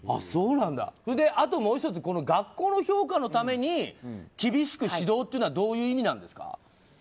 あともう１つ学校の評価のために厳しく指導っていうのはどういう意味なんですか？